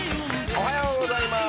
おはようございます。